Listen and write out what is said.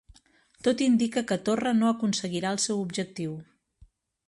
Tot indica que Torra no aconseguirà el seu objectiu